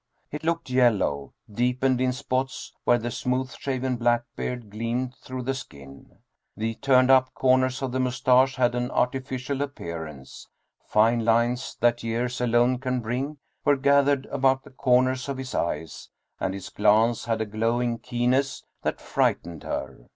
It looked yellow, deepened in spots where the smooth shaven black beard gleamed through the skin. The turned up corners of the mustache had an artificial appearance; fine lines that years alone can bring were gathered about the corners of his eyes, and his glance had a glowing keenness that frightened her.